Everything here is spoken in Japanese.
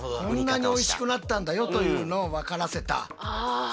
こんなにおいしくなったんだよというのを分からせた。